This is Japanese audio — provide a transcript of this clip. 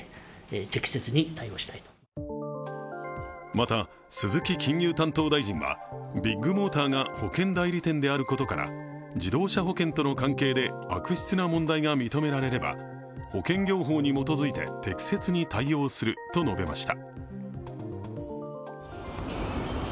また、鈴木金融担当大臣はビッグモーターが保険代理店であることから自動車保険との関係で悪質な問題が認められれば、保険業法に基づいて適切に対応すると述べました。